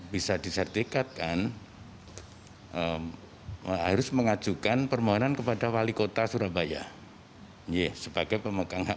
bisa disertifikatkan harus mengajukan permohonan kepada wali kota surabaya sebagai pemegang hak